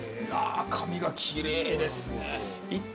赤身がきれいですね。